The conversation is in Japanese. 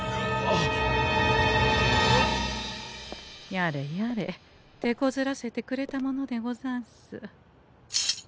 やれやれてこずらせてくれたものでござんす。